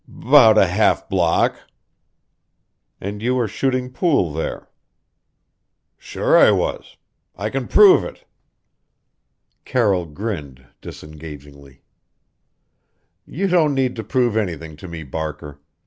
"'Bout a half block." "And you were shooting pool there?" "Sure I was! I c'n prove it." Carroll grinned disengagingly. "You don't need to prove anything to me, Barker.